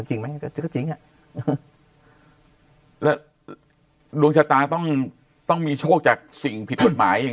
จริงแล้วดวงชะตาต้องต้องมีโชคจากสิ่งผิดควรหมายอย่าง